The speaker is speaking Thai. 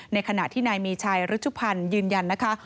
ในขณะที่นายมีชายฤชภัณฑ์ยืนยันนะคะ